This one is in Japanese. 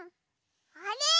あれ？